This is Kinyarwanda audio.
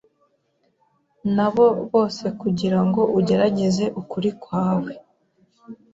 nabo bosekugira ngo ugerageze ukuri kwawe